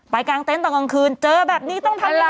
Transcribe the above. กลางเต็นต์ตอนกลางคืนเจอแบบนี้ต้องทำอะไร